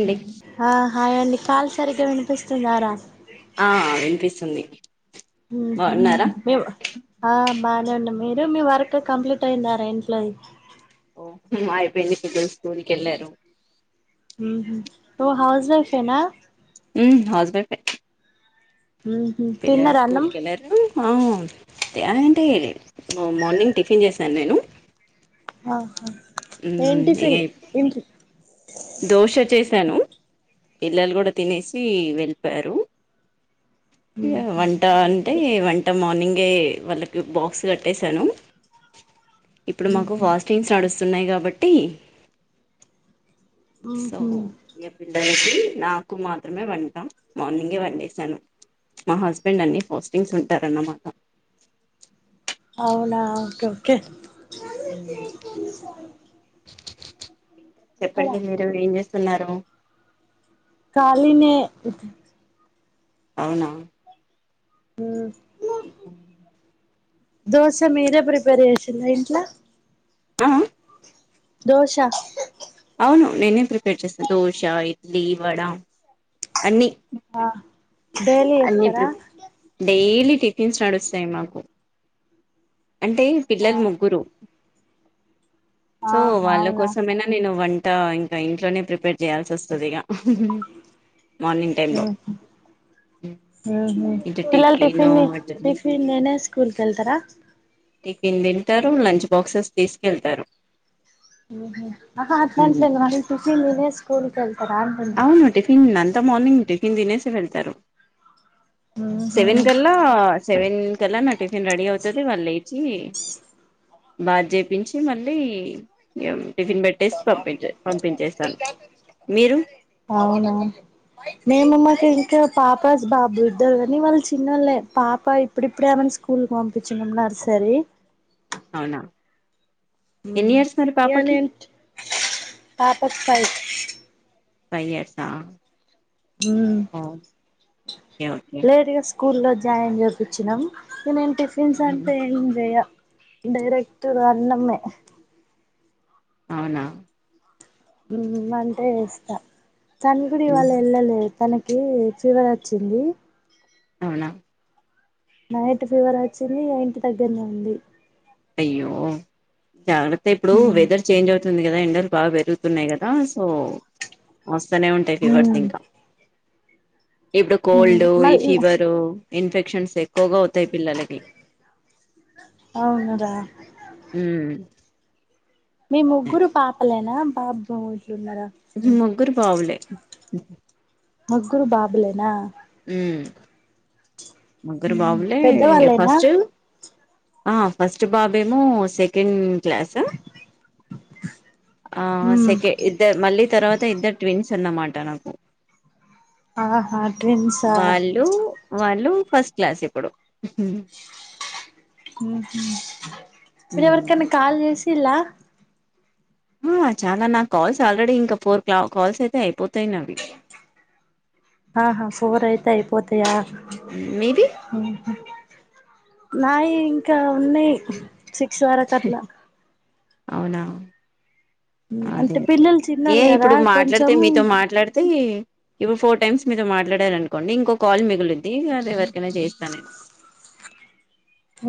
అండి హ హాయ్ అండి కాల్ సరిగా వినిపిస్తుందా రా ఆ వినిపిస్తుంది ఉహూ బాగున్నారా మే ఆ బాగానే ఉం మీరు మీ వర్క్ కంప్లీట్ అయి్యిందారా ఇంట్లోది ఓ మాయబన్ని పెద్ద స్కూలికిెళ్ళారు ఉహూ హౌస్ వైఫ్ ఏనా హ్మ్ హౌస్ వైఫ్ ఏ ఊహు పిల్లలు తిన్నరా అన్నం స్కూల్కి వెళ్ళారు హ తే అంటే మార్నింగ్ టిఫిన్ చేశాను నేను ఆహా ఏం ఇక టిఫిన్ ఇంటి వస్తాను పిల్లలు కూడా తినేసి వెళ్ళిపోయారు వంట అంటే వంట మార్నింగ్ ఎ వాళ్ళకి బాక్స్ కట్టేసాను ఇప్పుడు మాకు ఫాస్టింగ్స్ నడుస్తున్నాయి కాబట్టి బట్టి సో ఊహు ఇక పిల్లలకి నాకు మాత్రమే వంటా మార్నింగే వన్డేసాను మా హస్బెండ్ అన్ని ఫాస్టింగ్స్ ఉంటారన్నమాట అవునా ఓకే ఓకే హు ఎక్కడ చెప్పండి మీరు ఏం చేస్త చేస్తున్నారు కాళినే అవునా హు దోశ మీరే ప్రిపేర్ చేసిండ్రా ఇంట్లా ఆ ఆ దోష అవును నేనే ప్రిపేర్ చేస్తాను దోశ ఇడ్లీ వడ అన్ని ఆ డైలీ చేస్తరా అన్నిప్పు డెలీ కిస్ నడుస్తాయి మాకు అంటే ఆ పిల్లలు ముగ్గురు సో ఆహా వాళ్ళ అవునా కోసమైనా నేను వంట ఆ ఇంకా ఇంట్లోనే ప్రిపేర్ చేయాల్సి వస్తుంది ఇక ఉహు ఉహు ఇటు పిల్లలు టిఫిన్ అటు టిఫిన్తినే స్కూల్ కు వెళ్తారా టిఫిన్ తింటారు లంచ్ బాక్స్ తీసుకెళ్తారు ఉహు ఆహా అట్లా అంటలేను టిఫిన్ తినే స్కూల్ కు వెళ్ అవును టిఫిన్ అల్ మార్నింగ్ టిఫిన్ తినేసి వెళ్తారు సవెన్ ఉహు గలాసెవెన్ ఇకల్లా నా టిఫిన్ రెడీ అవుతుంది వాళ్ళు ఇచి బాధ చేయిచి మళ్ళీ టిఫిన్ పెట్టేసి పంపించే పంపించేస్తాను మీరు అవునా మేము మాకు ఇంకా పాప బాబు ఇద్దారు కానీ వాళ్ళు చిన్నోలే పాప ఇప్పుడిప్పుడే [unintelligible] స్కూల్కి పంపించన్నాము నర్సరీ అవునా ఎన్ని ఉమ్ ఇయర్స్ మరి ఈగ పాపకి నేను పాపకి ఫైవ్ ఫైవ్ ఇయర్స్ ఆ హమ్ ఓకే ఓకే స్కూల్లో జాయిన్ చేపించినాం ఇ నేను టిఫిన్స్ అంత ఏం జేయా డైరెక్ట్ర్ అన్నమే అవునా మంటే ఎస్తా తన గుడి వాళ్ళ ఇల్లే తనక్ [unintelligible] ఫీవర్ [unintelligible] వచ్చింది అవునా నైట్ ఫీవర్ వచ్చింది ఈగ ఇంటి దగ్గరనే ఉంది అయ్యో జాగ్రత్త ఇప్పుడు ఉమ్ వెదర్ చేంజ్ అవు తుంది కదా ఎండలు బాగా పెరుగుతున్నాయి కదా సో వా స్తానే ఉంటాయి ఫీవర్స్ ఉమ్ ఇంకా ఇప్పుడు ఉమ్ కోల్డ్ ఈ మళ్ ఫీవరు ఇన్ఫెక్షన్స్ ఎక్కువగా అవుతాయి పిల్లలకి అవునురా మీ ముగ్గురు పాపలే నా బాబ్ [unintelligible] [unintelligible] ముగ్గురు పావులే ముగ్గురు బాబులేనా ఉమ్ ముగ్గురు ఉమ్ బాబులే పెద్దవాళ్ళేనా ఫస్ట్ ఆ ఫస్ట్ బాబేమో సెకండ్ క్లాస్ ఆహ్ ఉమ్ సెకె ఇద్దర్ మళ్ళీ తర్వాత ఇద్దరు ట్విన్స్ ఆన్న మాట నాకు ఆహా ట్విన్స్ ఆ వాళ్ళు వాళ్ళు ఫస్ట్ క్లాస్ ఇప్పుడు హుమ్ మీరు హ్మ్. ఎవరికన్న కాల్ చేసి ఇల్లా ఆహ్ చాలా నా కాల్స్ ఆల్రెడీ ఇంకా ఫోర్ క్లాక్ కాల్స్ అయితే అయిపోతాయి నావి ఆహా ఫోర్ అయితే అయిపోతయా అ హ్మ్. మీవి [inaudible] నాయి ఇంకా ఉన్నాయి సిక్స్ వరకు అట్లా అవునా అదే అంటే అదే పిల్లలు ఏ చిన్నోళ్ళు కదా ఇప్పుడు మాట్లాడితే కొంచెం మీతో మాట్లాడితే ఇప్పుడు ఫోర్ టైమ్స్ మీతో మాట్లాడారు అనుకోండి ఇంకో కాల్ మిగులిద్ది అది ఎవరికైనా చేస్తాను నేను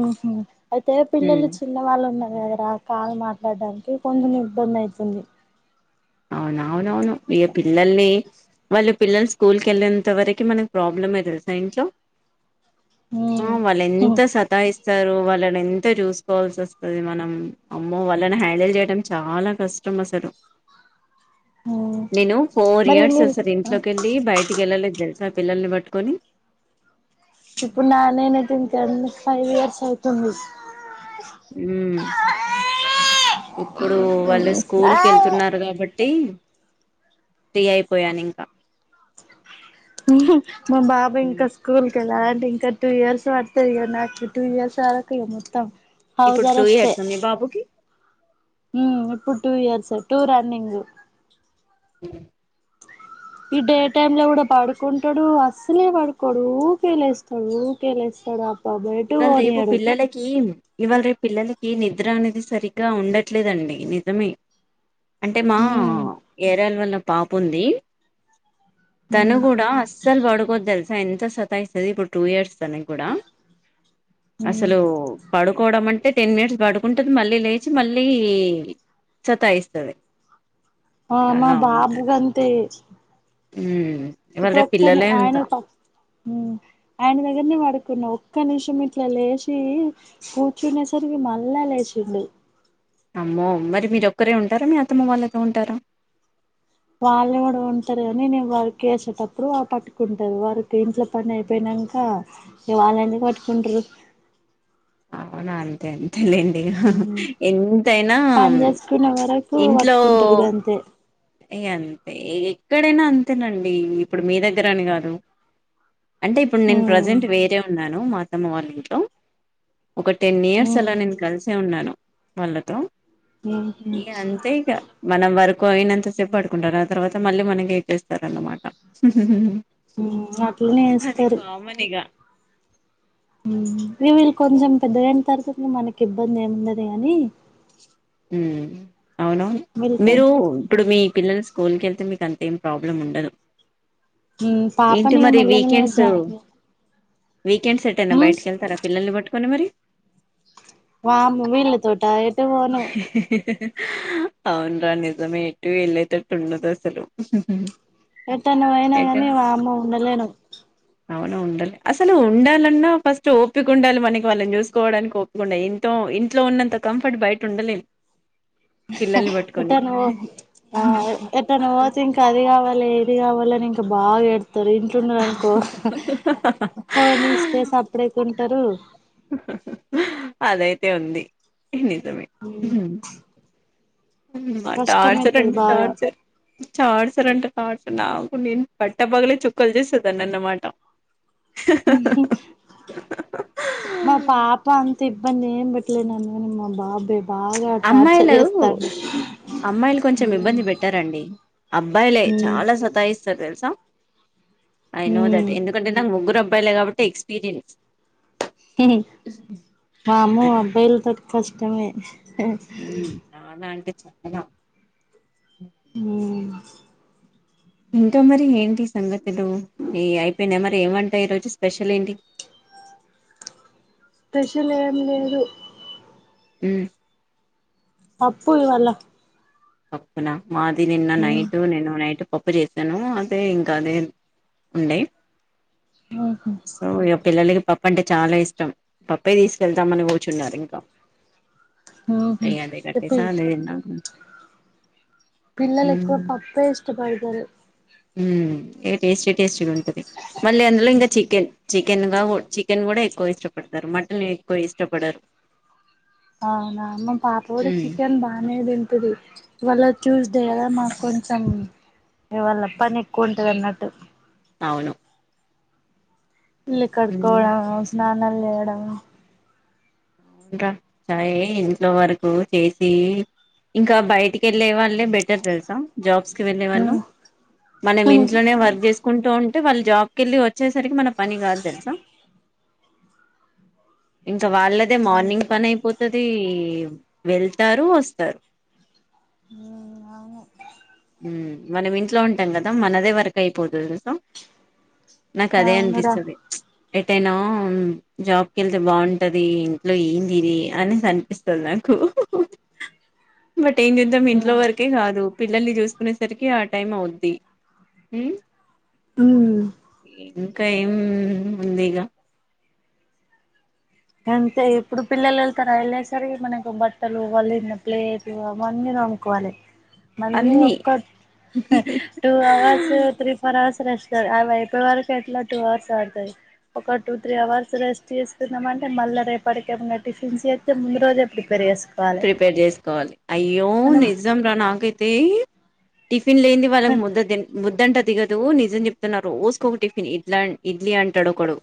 ఓహొ అయితే హ్మ్. పిల్లలు చిన్నవాళ్ళు ఉన్నారు కదరా కాలు మా పడ్డానికి కొంచం ఇబ్బంది అయితుంది అవున అవునవును ఇగ పిల్లల్ని వాళ్ళు పిల్లలు స్కూల్కి వెళ్ళేంత వరకి మనం ప్రాబ్లం అయితది కద ఇంట్లో ఆ వాళ్ళు ఎంత మ్మ్ సతాయిస్తారో వాళ్ళని ఎంత చూస్ తీసుకోవాల్సి వస్తుంది మనం అమ్మో వాళ్ళని హ్యాండిల్ చేయడం చాలా కష్టం అసలు నేను ఫోర్ మరి ఇయర్స్ మీరు అసలు ఇంట్లోకెళ్ళి బయటికి వెళ్ళలేదు తెలుసా ఆ పిల్లల్ని పట్టుకొని [inaudible] ఇప్పుడు నా నేనే ఐతే ఫైవ్ ఇయర్స్ అవుతుంది హ్మ్మ్ ఇప్పుడు వాళ్ళు స్కూల్కి వెళ్తున్నారు కాబట్టి ఫ్రీ అయిపోయాను ఇంకా మా బాబు ఇంకా ఉమ్, స్కూల్ కెళ్ళాలి అండి ఇంకా టూ ఇయర్స్ పడతారు ఇక నాకు టూ ఇయర్స్ వరకు ఇ మొత్తం హౌస్ ఇప్పుడు టూ అరెస్టే ఇయర్స్ అ మీ బాబుకి ఇప్పుడు టూ ఇయర్స్ టూ రన్నింగ్ [inaudible] ఈ డే టైమ్ లో కూడా పడుకుంటాడు అస్సలే పడుకోడు ఊకేలేస్తాడు ఊకేలేస్తాడు అ ఇవాళ రేపు పిల్లలకి ఇవాళ రేపు పిల్లలకి నిద్ర అనేది సరిగ్గా ఉండట్లేదండి నిజమే అంటే మా ఉమ్ ఏరాల వల్ల పాప ఉంది తను ఉమ్ కూడా అస్సలు పడుకోద్దు తెలుసా ఎంత సతాయిస్తది ఇప్పుడు టూ ఇయర్స్ న కూడా ఉమ్ అసలు పడుకోవడం మంటే టెన్ మినిట్స్ పడుకుంటుంది మళ్ళీ లేచి మళ్ళీ సతాయిస్తుంది ఆ మా బాబుగా అంతే ఉ ఇవాళే పిల్లలే అంత పక్ ఆయన దగ్గరనే పడుకున్నా ఒక్క నిమిషం ఇట్లా లేచి కూర్చునే సరికి మళ్ళా లేచింది అమ్మో మరి మీర ఒక్కరే ఉంటారా మీ అతమ్మ వాళ్ళతో ఉంటారా వాళ్ళు కూడా ఉంటారు కాని నే వారికి వేసేటప్పుడు పట్టుకుంటారు వారికి ఇంట్లో పని అయిపోయినాక వాళ్ళ ఎందుకు పట్టుకుంటారు అవునా అంతే అంత లేండి ఉమ్ ఎంతైనా పని చేసుకునే వరకు ఇంట్లో పట్టుకుంటారు గంతే ఏ అంతే ఎక్కడైనా అంతేనండి ఇప్పుడు మీ దగ్గర అని కాదు అంటే ఇప్పుడు నేను ఉమ్ ప్రజెంట్ వేరే ఉన్నాను మా అత్తమ్మ వాళ్ళ ఇంట్లో ఒక టెన్ ఇయర్స్ ఉమ్ అలా నేను కలిసే ఉన్నాను వాళ్ళతో ఉమ్ ఇ అంతే ఇక మనం వరకు కోరినంత చెడుకుంటారు ఆ తర్వాత మళ్ళీ మనకి ఏ చేస్తారు అన్నమాట అట్లనే అది వేస్తారు కామన్ ఇగ రవిల్ కొంచెం పెద్ద ఎంత తరుతు మనకి ఇబ్బంది ఏముండది కాగానీ ఉ అవునవును కొం మీరు ఇప్పుడు మీ పిల్లలు స్కూల్కి వెళ్ అయితే మీకు అంత ఏం ప్రాబ్లం ఉండదు ఏంటి పాపనిగా మరి మెల్ మల్ జాయి వీకండ్ సెట్టేనా బయటకి వెళ్తార పిల్లల్ని పట్టుొని మరి వామ్ వీళ్ళ తోట అవున రా నిజమేటుూ వెళ్ళ తట్ ఉన్నద అసలు ఎట్ట నువ అయినా కానీ మా అమ్మ ఉండలేను అవునా ఉండాలి అసలు ఉండాలన్నా ఫస్ట్ ఒపిక ఉండాలి మనకి వాళ్ళని చూసుకోవడానికి ఒప్పుిక ఉండాలి ఇ ఇంట్లో ఉన్నంత కంఫర్ట్ బయట టటుండలే ఎట్టను ఆ ఎట్ట ను ఓతే ఇంకా అది కావాలి కావాలని ఇంకా బాగాడ ారు ఇంటున్నారు అనుకో పోోని ఇస్తే సప్పుడే కొను తరు అదైతే ఉంది నిజమే హమ్మా టార్చర్ కష్టమైతది అండి బాగా టార్చర్ టార్చర్ అంటే టార్చర్ నాకు నేను బట్టపగలే చుక్కలు చేసేదాన్ని అన్నమాట మా పాప అం ఇబ్బంది ఏం బట్లే నన్ను [unintelligible] టార్చర్ అమ్మాయిలు చేస్తాండు అమ్మాయిలు కొంచెం హ్మ్ ఇబ్బంది పెట్టారంండి అబ్బాయిలే హ్మ్ చాల సత్తాస్తారు తెలుసా ఐన దట్ హ్మ్ ఎందుకంటే నా ముగ్గురు అబ్బా అబ్బయిలే కాబట్టి ఎక్స్పీరియన్స్ వామ్మో అబ్బాయిలు త కష్టమే చాలా అంటే చానా ఆ ఇంకా మరి ఏంటి సంగతులు ఈ అయిపోయినా మరి ఏమంటాయి ఈ రోజు స్పెషల్ ఏంటి స్పెషల్ ఏం లేదు ఈ పప్పు వాళ్ళ పప్పునా మాది నిన్న నైటూ నీను నైటూ పప్పు చేసాను అదే ఇంకా అదే ఉండే ఊహూ సో ఇగ పిలలకి పప్పు అంటే చాలా ఇష్టం పప్పే తీసుకెళ్తామని కూర్చున్నారు ఇంకా ఊహూ అంటే కట్టేస చెప్పి [unintelligible] పిలల ఎక్కువ పప్పే ఇష్టపడి [unintelligible] ఉమ్ ఎటస్ టేస్ట్ గా ఉంటుది మళ్ళీ అందులో ఇంకా చికెన్ చె చికెన్ గా చికెన్ కూడా ఎక్కువ ఇష్టపడతారు మటన్ ఎక్కువ ఇష్టపడరు అవునా మా పాప కూడా ఉమ్ చికెన్ బానే తింటుది ఇవాళ ట్యూస్డే కదా మాకు కొంచెం ఇవాళ పని ఎక్కువ ఉంటది అన్నట్టు అవును ఇల్లు కడుకోవడం స్నా నల్ చేయడం అవున్ గా చాయ ఇంట్లో వరకు చేసి ఇంకా బయటికి వెళ్ళే వాళ్ళు బెటర్ తెల్సా జాబ్స్ కి వెళ్ళే వాళ్ళు ఉమ్ మనం ఇంట్లోనే వర్క్ చేసుకుంటూ వాళ్ళ జాబ్ క వెళ్ళి వచ్చేసరికి మన పని కాదు తెలుసా ఇంకా వాళ్ళ మార్నింగ్ పన పో అది వెళ్తారు వస్తారు ఉ అను ఉమ్ మనం ఇంట్లో ఉంటాం కదా మనదే వరకు అయిపోతది సో నా కదే అవునురా అనిపిస్తాది ఎటైనా జాబ్కి వెళ్తే బాగుంటది ఇంట్లో ఎంది ఇది అనేసి అనిపిస్తాది నాకు బట్ ఏం చద్దం ఇట్లో వరకే కాదు ళ్ చూసుకునేసరికి ఆ టైం అవుద్ది ఉమ్ ఉమ్ ఏది కై ఏం ఉంది ఇగ అంటే ఇప్పుడు పిల్లలు వెళ్తారా వెళ్ళ సరి మనకు బట్టలు వాళిన ప్లేట్ అవన్నీ నమ్కోవాలి మళీ అన్ని ఒక్క two hours three four hours ెస్ట్ వైపు వరకు ఎట్లా టూ అవర్స్ ఆడతాయి ఒక టూ త్రీ అవర్స్ రెస్ట్ చేస్తున్నాంమని ే మళ్ళీ రేపటిక ఏమైన్నా టిఫన్స్ అయితే ముందు రోజే ప్రిపేర్ చేసుాను ప్రిపేర్ చేసుకోవాలి అయ్యో మనం నిజం రా నాకైతే ఫ ి లేంది వాళ్ళ ముద్ద ముద్దంట దిగదు నిజం చెప్తున్నా రోజుక ఒక టిఫిన్ ఇడ్లా ఇడ్లీ అంటాడు ఒకడు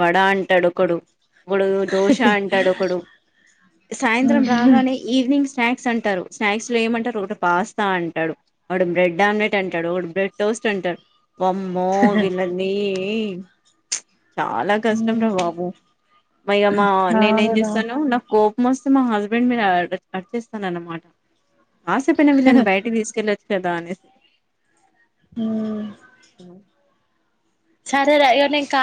వడ అంటాడు ఒకడు ఇప్పుడు దోశ అంటాడు ఒకడు సాయంత్రం రా ఈవినింగ్ స్నాక్స్ అంటారు స్నాక్స్ లో ఏమంటారు ఒక పాస్తా అంటాడు ఒకడు బ్రెడ్ ఆమ్లెట్ అంటాడు ఒక బ్రెడ్ టోస్ట్ అంటాడు బమ్మో విల నీ [inaudible] చాలా కష్టం రా బాబు మయమ్మా నేనే ఏం అవునురా చేస్తాను నా కోప్ సస్తే మా హస్డ్ బెండ్ మీరు అడ్చేస్తాన అన్నమాట ఆస పయిైన వీళ్ని బయటకి తీసుకెళ్ళచ్చదు శదని సి అ సరే కా